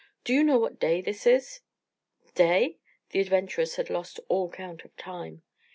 "Do you know what day this is?" "Day?" The adventurers had lost all count of time.